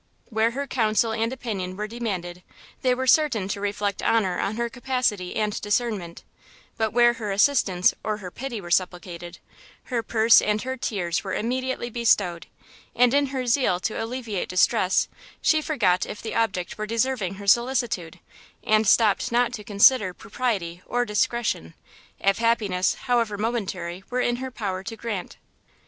Where her counsel and opinion were demanded, they were certain to reflect honour on her capacity and discernment; but where her assistance or her pity were supplicated, her purse and her tears were immediately bestowed, and in her zeal to alleviate distress she forgot if the object were deserving her solicitude, and stopt not to consider propriety or discretion, if happiness, however momentary, were in her power to grant.